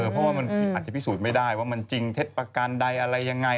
เพราะว่ามันอาจจะพิสูจน์ไม่ได้ว่ามันจริงเท็จประกันใดอะไรยังไง